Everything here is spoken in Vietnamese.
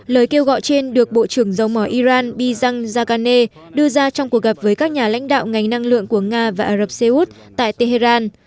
lời kêu gọi trên được bộ trưởng dầu mỏ iran bizan jakarne đưa ra trong cuộc gặp với các nhà lãnh đạo ngành năng lượng của nga và ả rập xê út tại tehran